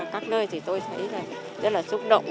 các nơi tôi thấy rất là xúc động